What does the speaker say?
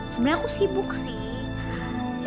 sebenernya aku sibuk sih